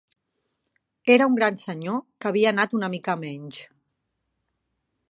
Era un gran senyor que havia anat una mica a menys